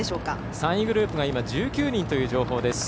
３位グループが１９人という情報です。